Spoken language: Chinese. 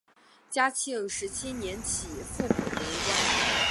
嘉庆十七年起复补原官。